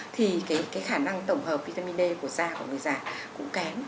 thì cái khả năng tổng hợp vitamin d của da của người già cũng kém